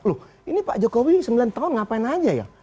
loh ini pak jokowi sembilan tahun ngapain aja ya